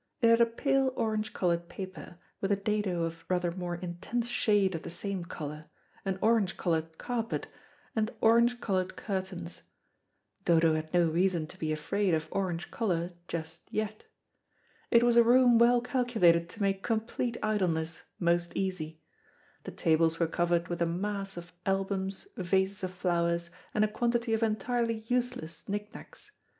It had a pale orange coloured paper, with a dado of rather more intense shade of the same colour, an orange coloured carpet and orange coloured curtains. Dodo had no reason to be afraid of orange colour just yet. It was a room well calculated to make complete idleness most easy. The tables were covered with a mass of albums, vases of flowers, and a quantity of entirely useless knick knacks.